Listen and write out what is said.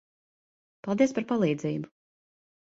Paldies par palīdzību.